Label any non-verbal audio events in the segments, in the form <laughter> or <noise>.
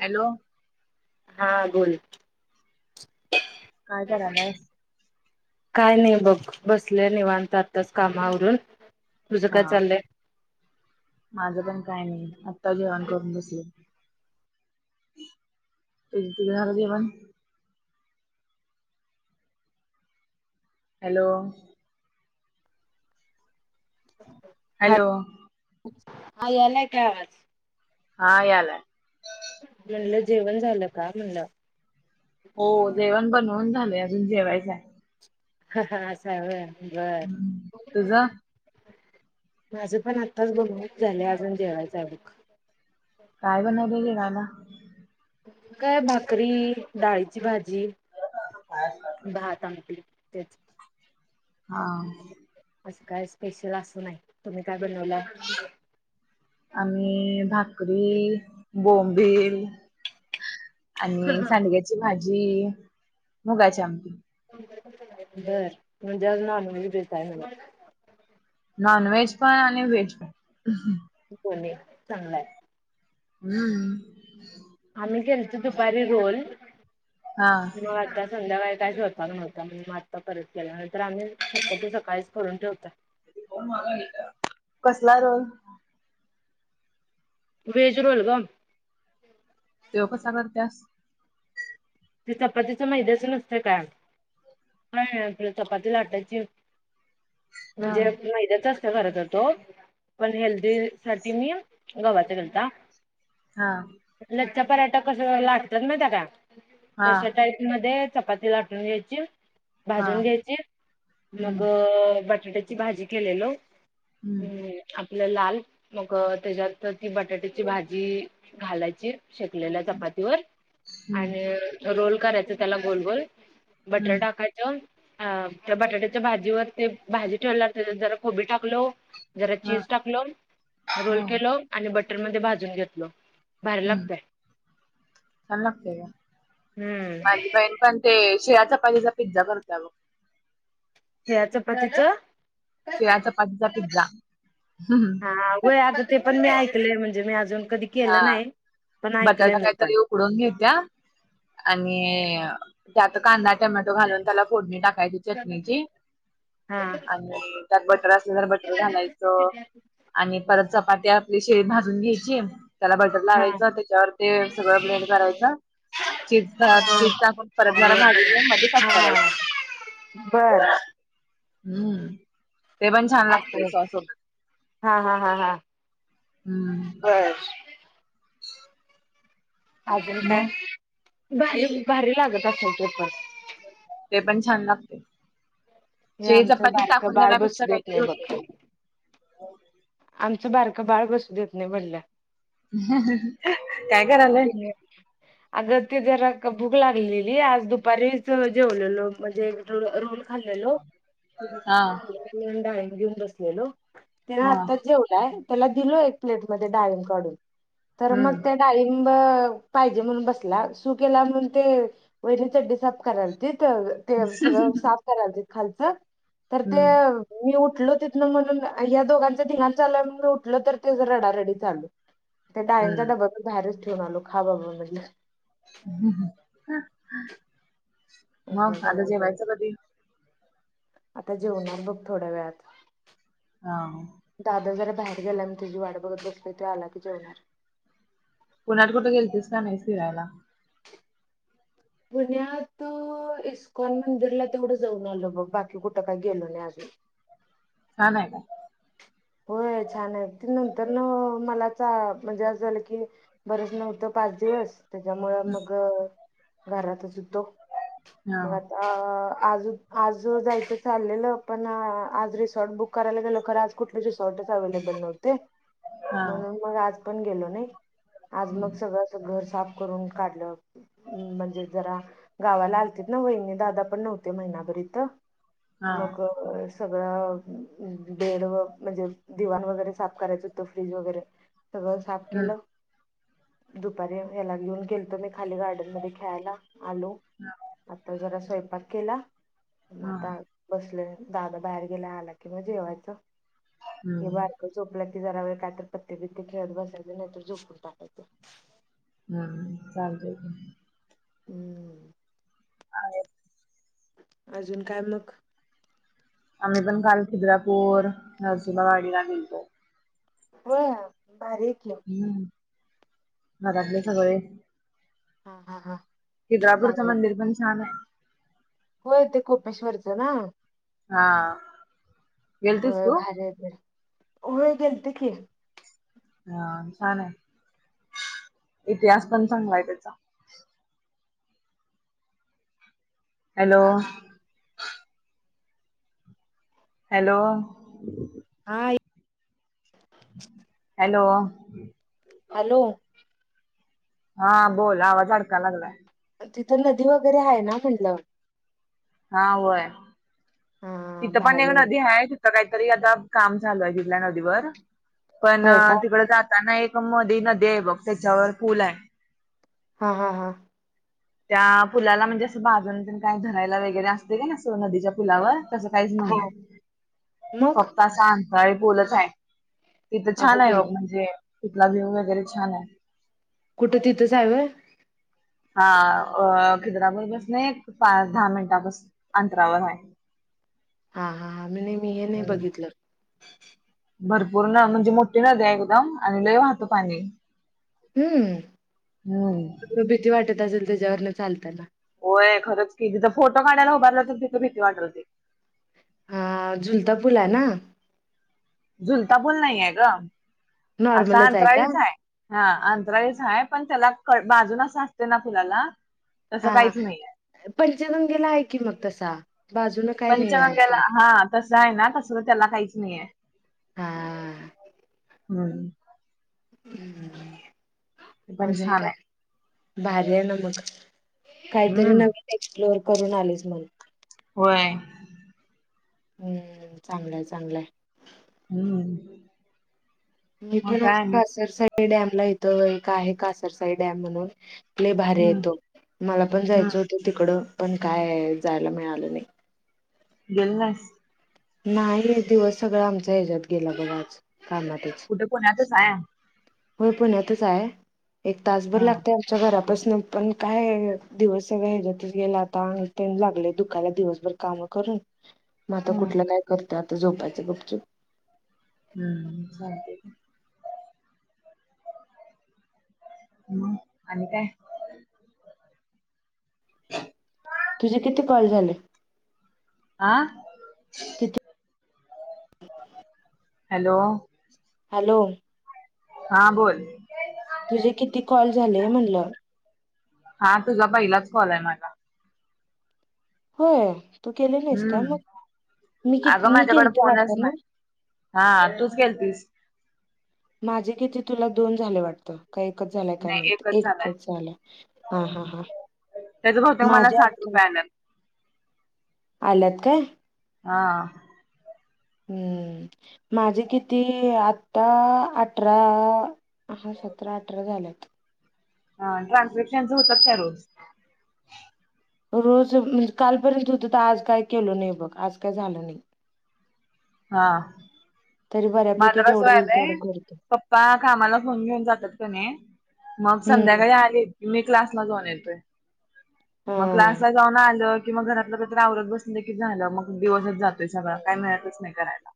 Hello! हा बोल. काय कराल्यास. काय नाही बघ बसले निवांत आताच कामावरून तुझं हा काय चाललंय. माझं पण काय नाही आत्ता जेवण करून बसल. <unintelligible> जेवण. हॅलो! <inaudible> हॅलो! याला य काय आवाज. हा याला आहे. म्हणलं जेवण झालं का म्हणलं. हो जेवण बनवून झालंय अजून जेवायचंय. हा बर बर. तुझं माझं पण आत्ताच बणून झालंय अजून जेवायचा आहे बघ. काय बनवलं र राला. काय भाकरी डाळीची भाजी भात आटली. तेच. हां. असं काय स्पेशल असं नाही तुम्ही काय बनवलंय. आम भाकरी बोंबळ. आणि सांडग्याची भाजी मुगाच्या आमटी. बर म्हणजे आज नानी बेचय म्हला नॉन व्हेज पण आणि व्हेज पण. बली चांगलाय. हम्. आम्ही केलतो दुपारी रोल. हा. मग आता संध्याकाळी काहीच होता न्हतता म्हणजे म आत्ता परत गल्यानंतर आम्ही शटी सकाळीच कररून ठेवत. कसला रोल. Veg roll. तेव कसा करतेस. ते चपातीचं मैद्याच नसतं का. काय आपल्या चपाती लाटायची हा म्हणजे मैद्यातच. करत होतो पण हेल्दी साठी मी गवाच करता. हां. लज्चा पराठा कसं लागतात ना त्या का. हा तशा टाईप मध्ये चपाती लाटून घ्यायची. हा भाजून घ्यायची मग हम्म बटाट्याची भाजी केलेल. हम्म. आपलं लाल मग त्याच्या ती बटाट्याची भाजी घालायची. शेकलेल्या चपातीवर आणि हम्म रोल करायच त्याला गोल गोल. बटर हम्म टाका. अ त्या बटाट्याच्या भाजीवर ते भाजी ठेवणार त्या जरा खोबी टाकलो. जरा हा चीज टाकलो रोल हो केलो आणि बटर मध्ये भाजून घेतलो. भारी हम, लागतय छान लागतंय हम्म काय? पण ते शिळ्या चपातीचा पिझ्झा करतीया बघ. शिळ्या चपातीचं? शिळ्या चपातीचा पिझ्झा! होय, आता ते पण मी ऐकलय म्हणजे मी अजून कधी केलं नाही, पण ऐकलंय मी पण. उडून घेतीया? आणि त्यात कांदा, टमॅटो घालून त्याला फोडणी टाकायची. चटणीची, हा आणि त्यात बटर असलं तर बटर घालायचं. आणि परत चपाती आपली शिळी भाजून घ्यायची. त्याला बटर हा लावायचं त्याच्यावर ते सगळं ब्लेंड करायचं. चिजता, चिज टाकून परत हा जरा भाजून घेऊन मध्ये कट हा करायचं. बर हम्म ते पण छान लागतय असं सॊस सोबत.. हा हा हा हा हम्म. बर अजून काय? मग भारी, भारी लागत असल ते पण. ते पण छान लागतय, हे शिळी आमचं चपाती बारकं टाकून बाळ बसू देण्यापेक्षा देत काहीतरी नाही होतय. बघ आमचं बारका बाळ बसू देत नाही म्हणल. ह, ह, ह अ <unintelligible> हम <unintelligible> अगं ते जरा भूक लागलेली आज दुपारीच जेवलेलो म्हणजे रोल खाल्लेलो, ते हा नुसतं खालो म्हणून डाळम घेऊन बसलेलो. त्यान हा. आताचं जेवलाय त्याला दिलो एक प्लेटमध्ये डाळम काढून. खरं मग हम्म त्या डाळीबं पाहिजे म्हणून बसलायं सु केल्यावर म्हणतोय वयनी चड्डी साफ करालतीत ते सगळं साफ करातील खालचं तर ते हम्म मी उठलो तिथनं म्हणून ह्या दोघांच धिंगाणा चालायं म्हणून मी उठलं तर ते रडारडी चालू. ते डाळीचां हम्म. डबा बाहेरच ठेवून आलो खा बाबा म्हटलं. असला मग, सगळा आता गोंधळ जेवायचं कधी? आता जेवणार बघ थोड्या वेळात! हा, हा दादा जरा बाहेर गेलाय मी तिझी वाट बघत बसलोय ते आला की जेवणार. पुण्यात कुठ गेलतीस का नाही फिरायला? पुण्यात इस्कॉन मंदिरला तेवढं जाऊन आलो बघ बाकी कुठं काही गेलो नाही अजून. छान आहे काय? होय छान हाय, ते नंतर ना मला चं म्हणजे असं झालं की बरंच नव्हतं पाच दिवस! तेच्यामुळं मगं घरातच हुतो. हा मग आता आज, आज जायचं चाललेलं पण आज रिसॉर्ट बुक करायला गेलो खरं आज कुठलीच रिसॉर्टच अव्हेलेबल नव्हते हा म्हणून मग आज पण गेलो नाही. आज मग हम्म सगळचं घर साफ करून काढलं. हमं, म्हणजे जरा गावाला आलतीत ना वहिनी दादा पण नव्हते महिनाभर हिथं हा मग सगळं बेड वर म्हणजे, दिवाण वगैरे साफ करायचं होत फ्रीज वगैरे सगळं साफ हम्म केलं. दुपारी हेला घेऊन गेलतो मी खाली गार्डन मध्ये खेळायला. आलो आतां जरा स्वयंपाक केला म हा. आतां. बसलोय दादा बाहेर गेला आला कि मग जेवायचं. हे हम्म बारकं झोपलं कि जरा वेळ कायतर पत्ते बित्ते खेळत बसायचं नाहीतर झोपून टाकायचं. हम्म चालतंय की. हम्म. आहेत. अजून काय मग? आम्ही पण काल खिद्रापूर नरसोबावााडीला गेलतो. होय भारी आहे की. हम्म घरातले सगळे. हा हा हा. खिद्रापूरचं चांगलंय मंदिर पण छान हायं. हो ते कोपेश्वरच ना. हां. होयं भारी आहे ते होयं गेलते की. हा छान आहे, इतिहास पण चांगलाय त्याचा. Hello. Hello. Hi. Hello. Hello. हा बोल आवाज अडकाय लागलाय. तिथं नदी वगैरे हाय ना म्हटलं. हा होय हा तिथं पण एक भारी आहे नदी हायं. तिथं काहीतरी आता काम चालू हायं तिथल्या नदीवर पण होय का तिकडं जा त्यांना एक मधी नदी हायं बघ त्याच्यावर पूल हायं. हा हां हा. त्या पुलाला म्हणजे असं बाजूनं तेन काही धरायला वगैरे असतयं का अस नदीच्या पुलावर. तसं काहीच नाही हा आहे मग फक्त असं अंतळी बोलच आहे. तिथं अगं छान आहे बाई बघ म्हणजे तिथला व्ह्यू वगैरे छान आहे कुठं तिथच आहे होय. खिद्रापूर बसने एक पाच दहा मिनिटाच्या अंतरावर आहे. हा हा हा मी ने मी हे नाही हम्म बघितलं. भरपूर न म्हणजे मोठी नदी एकदम आणि लय वाहतं पाणी हम्म हम्म तुला भीती वाटत असेल त्याच्यावरनं चालताना. होय खरंच की तिथं फोटो काढायला उभारलो तर तिथं भीती वाट होती. हा झुलता फुला ना. झुलता पूल नाहीये गं असा नॉर्मलच आहे का अंतराळीचं हायं. हा अंतराळीच हायं पण त्याला कड बाजूनच असं असतयं ना फुलाला. तसं हा काहीच नाहीये हां पुढच्या रुंदीला हायं की मग तसा बाजुला काय नाही हायं पंचगंगेला की हा तसं आहे ना तसलं त्याला काहीच नाहीय. हां. हम्म हम्म ते पण अजून छान आहे काय भारी आहे ना मग काहीतरी हम्म नवीन एक्सप्लोर करून आलीस मग. होय हम्म चांगलंय चांगलंय हम्म मी मग पण <unintelligible> काय आणि कासरसाई डॅमला इथं एक आहे कासरसाई डॅम म्हणून लय भारी आहे हम्म तो मला पण हम्म जायचं होतं तिकडं पण काय जायला मिळालं नाही. गेली नाहीस? नाही दिवस सगळां आमचा ह्याच्यात गेला बघ आज कामातच. कुठे पुण्यातच आहे? होय पुण्यातच आहे एक तासभर हा लागतय च्या घरापासन पण काय दिवस सगळे ह्याच्यात गेला आता आणि लागले दुखाला दिवसभर. काम करून. <inaudible> मग आता कुठलं काय करत आता झोपायचं गुपचूप. हम्म चालतंय की. हम् आणि काय? तुझे किती कॉल झाले? आ किती हॅलो हॅलो हां बोल तुझे किती कॉल झाले म्हणलं? हा तुझा पहिलाच कॉल आहे माझा. होय तू केले नाहीस काय हम्म मग मी अगं किती मी माझ्याकडे केलंते वाटत फोनच नाही ना? हा तू केलतेस की माझे किती तुला दोन झाले वाटतं. का एकच झालंय काय नाही माहित झालाय एकच झाला हा हा हां. त्याचं बहुतेक मला साठ रुपये आलेत. आल्यात काय? हां हम्म माझे किती आत्ता अठरा हा सतरा अठरा झाल्यात ह्ं ट्रान्सक्रिपक्शनच होतात काय रोज? रोज म्हणजे कालपर्यंत होत होतं तर आज काय केलं नाही बघ आज काय झालं नाही. हां तरी माझ बऱ्यापैकी कसं जेवढं होईल व्हायलाय तेवढं करतो पप्पा कामाला फोन घेऊन जातात कणय. मग हम्म संध्याकाळी आली मी क्लासला जाऊन येतोय. हा मग क्लास ला जाऊन आल्यावर की मग घरातलं कायतर आवरत बसले की झालं मग दिवसच जातोय सगळं काही मिळतच नाही करायला.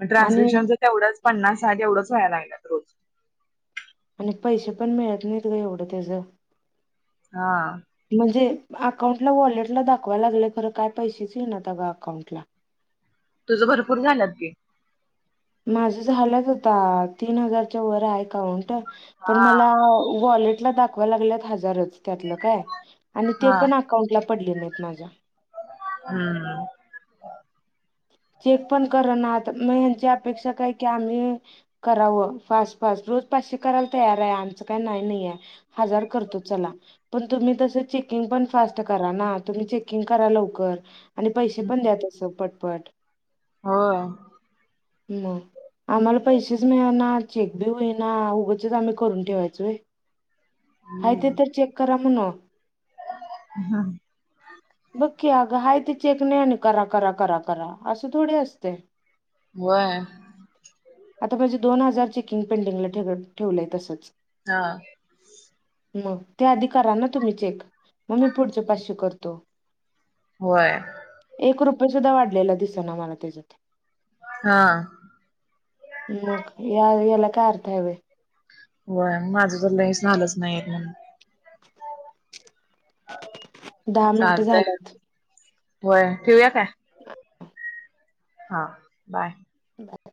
मग आणि ट्रान्सस्क्रीप्शनचं तेवढंच पन्नास साठ एवढंच व्हाय लागलात रोज. आणि पैसे पण मिळत नाहीत ग एवढं त्याचं. हां म्हणजे अकाउंटला वॉलेट ला दाखवाय लागलंय खरं काय पैसेच येईनात अग अकाउंटला. तुझं भरपूर झालात की. माझं झालंत होता तीन हजारच्या वर अकाउंट. हा पण मला वॉलेटला दाख लागत हजारच. त्यातलं काय आणि ते हा पण अकाउंटला पडले नाहीत माझ्या हम्म चेक पण करणार मग हच्या अपेक्षा काय की आम्ही करावं फास्ट फास्ट रोज पाश करायला तयार आहे आमचं काही नाही नाही आहे. हजार करतो चला. पण तुम्ही तस चेकिंग पण फास्ट करा ना तुम्ही चेकिंग करा लवकर. आणि पैसे पण द्याेत असं पटपट. हो म आम्हाला पैसेच मिळा ना चेक बी होईना उगचच आम्ही करून ठेवायचोय. हाय ते हम्म तर चेक करा म्हण. हम्म बघ क अगं हा ते चेक नाही आणि करा करा करा करा असं थोडे असते. हो आता माझे दोन हजार चेकिंग पेंडिंगला ठ ठेवलंय तसंच. हा मग त्या आधी करा ना तुम्ही चेक मग मी पुढचे पाचशे करतो. होय एक रुपये सुद्धा वाढलेला दिस ना मला त्याच्यात हा ह् या येला कारतायय. वय माझं तर ल हे झालंच नाही म्हण दहा मिनिटं चालतय झाल्यात. वय ठेवया काय? हा बाय. बर